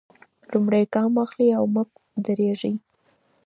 لومړی ګام واخلئ او مه درېږئ.